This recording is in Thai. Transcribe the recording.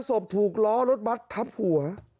สบถูกล้อรถบัสทับหัว